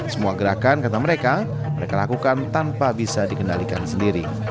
semua gerakan kata mereka mereka lakukan tanpa bisa dikendalikan sendiri